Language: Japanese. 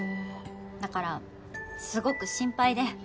だからすごく心配で。